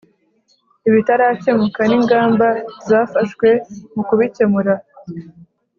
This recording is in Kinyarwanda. ibitarakemuka ningamba zafashwe mu kubikemura